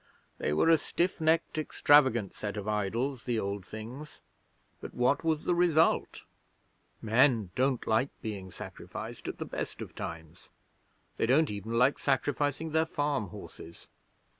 They were a stiff necked, extravagant set of idols, the Old Things. But what was the result? Men don't like being sacrificed at the best of times; they don't even like sacrificing their farm horses.